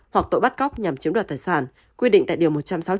hoặc tội bắt cóc nhằm chiếm đoạt tài sản quy định tại điều một trăm sáu mươi chín